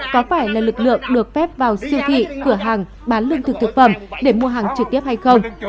có phải là lực lượng được phép vào siêu thị cửa hàng bán lương thực thực phẩm để mua hàng trực tiếp hay không